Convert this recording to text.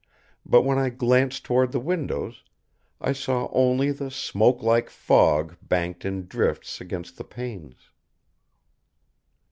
But when I glanced toward the windows I saw only the smoke like fog banked in drifts against the panes.